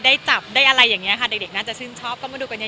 ได้จับได้อะไรอย่างนี้ค่ะเด็กน่าจะชื่นชอบก็มาดูกันเยอะ